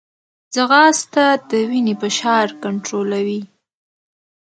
ځغاسته د وینې فشار کنټرولوي